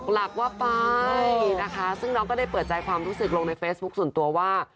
หลักว่าไปนะคะซึ่งน้องก็ได้เปิดใจความรู้สึกลงในเฟซบุ๊คส่วนตัวว่า